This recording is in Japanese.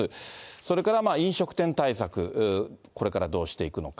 それから飲食店対策、これからどうしていくのか。